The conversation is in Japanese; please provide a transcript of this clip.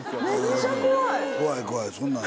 怖い怖い。